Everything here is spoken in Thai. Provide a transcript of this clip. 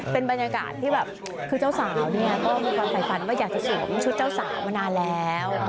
เป็นบรรยากาศที่เจ้าสาวกับคำถ่ายฝันว่าอยากจะสื่อชุดเจ้าสาวนานแล้ว